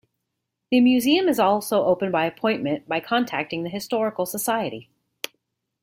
The museum is also open by appointment by contacting the Historical Society.